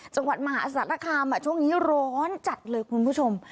จังหวัดมหาศาลคามช่วงนี้ร้อนจัดเลยคุณผู้ชม